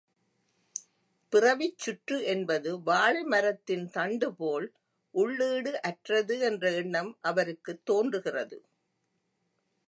பிறவிச் சுற்று என்பது வாழை மரத்தின் தண்டுபோல் உள்ளீடு அற்றது என்ற எண்ணம் அவருக்குத் தோன்றுகிறது.